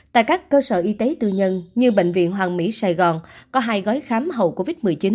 tại các cơ sở y tế tư nhân như bệnh viện hoàng mỹ sài gòn có hai gói khám hậu covid một mươi chín